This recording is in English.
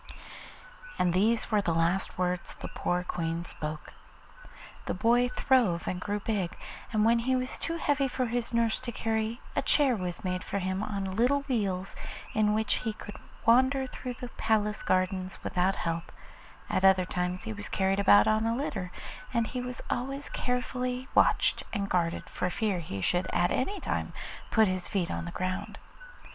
And these were the last words the poor Queen spoke. The boy throve and grew big, and when he was too heavy for his nurse to carry, a chair was made for him on little wheels, in which he could wander through the palace gardens without help; at other times he was carried about on a litter, and he was always carefully watched and guarded for fear he should at any time put his feet to the ground.